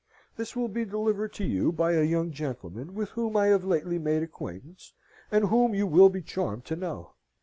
This will be delivered to you by a young gentleman with whom I have lately made acquaintance, and whom you will be charmed to know.